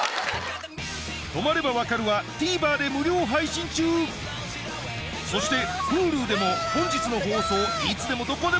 『泊まればわかる！』はＴＶｅｒで無料配信中そしてＨｕｌｕでも本日の放送をいつでもどこでも見られます